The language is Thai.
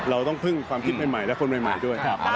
เราต้องพึ่งความคิดใหม่และคนใหม่ด้วย